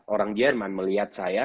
orang jerman melihat saya